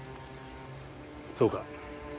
そうか。